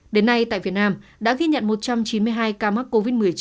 đến nay tại việt nam đã ghi nhận một trăm chín mươi hai ca mắc covid một mươi chín